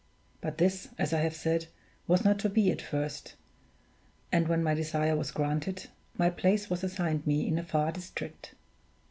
But this, as I have said, was not to be at first, and when my desire was granted, my place was assigned me in a far district.